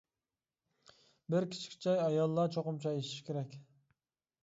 بىر كىچىك چاي ئاياللار چوقۇم چاي ئىچىشى كېرەك.